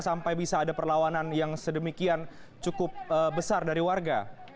sampai bisa ada perlawanan yang sedemikian cukup besar dari warga